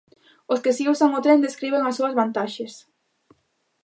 Os que si usan o tren describen as súas vantaxes.